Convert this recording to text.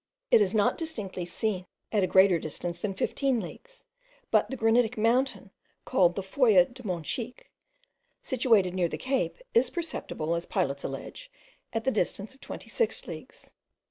It is not distinctly seen at a greater distance than 15 leagues, but the granitic mountain called the Foya de Monchique, situated near the Cape, is perceptible, as pilots allege, at the distance of 26 leagues.